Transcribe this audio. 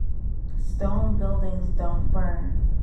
Stone buildings don't burn.